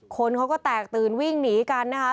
คนเขาก็แตกตื่นวิ่งหนีกันนะคะ